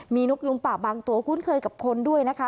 มีนกลุงป่าบางตัวคุ้นเคยกับคนด้วยนะคะ